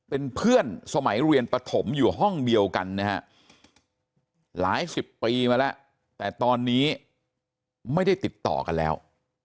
เป็นเพื่อนสมัยเรียนปฐมอยู่ห้องเดียวกันนะฮะหลายสิบปีมาแล้วแต่ตอนนี้ไม่ได้ติดต่อกันแล้ว